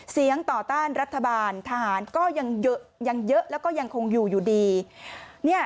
เสียงต่อต้านรัฐบาลทหารก็ยังเยอะและก็ยังคงอยู่อยู่ดี